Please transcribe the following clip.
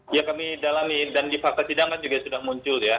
ya kami dalami dan di fakta sidang kan juga sudah muncul ya